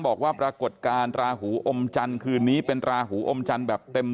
บอกว่าปรากฏการณ์ราหูอมจันทร์คืนนี้เป็นราหูอมจันทร์แบบเต็ม